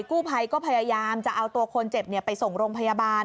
กู้ภัยก็พยายามจะเอาตัวคนเจ็บไปส่งโรงพยาบาล